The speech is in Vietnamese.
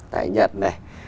tại nhật này